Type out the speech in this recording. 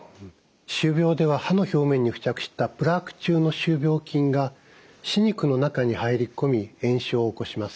歯周病では歯の表面に付着したプラーク中の歯周病菌が歯肉の中に入り込み炎症を起こします。